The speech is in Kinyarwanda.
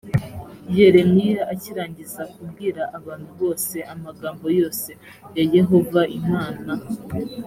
yeremiya akirangiza kubwira abantu bose amagambo yose ya yehova imana